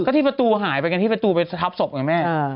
ก็ที่ประตูหายไปกันที่ประตูไปสับศพไงแม่